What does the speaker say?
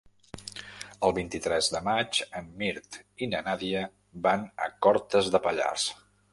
El vint-i-tres de maig en Mirt i na Nàdia van a Cortes de Pallars.